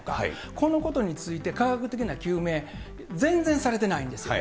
このことについて、科学的な究明、全然されてないんですよね。